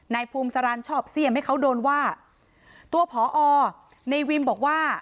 นายภูมิสารันชอบเสี่ยมให้เขาโดนว่าตัวผอในวิมบอกว่า